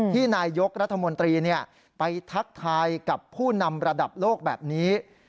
นายยกรัฐมนตรีไปทักทายกับผู้นำระดับโลกแบบนี้